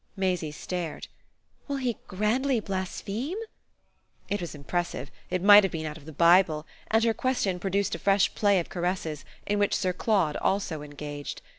Maisie stared. "Will he grandly blaspheme?" It was impressive, it might have been out of the Bible, and her question produced a fresh play of caresses, in which Sir Claude also engaged.